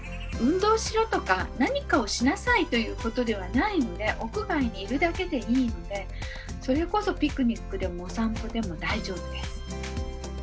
「運動しろ」とか「何かをしなさい」ということではないので屋外にいるだけでいいのでそれこそピクニックでもお散歩でも大丈夫です。